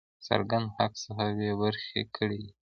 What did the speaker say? څرګند حق څخه بې برخي کړی دی.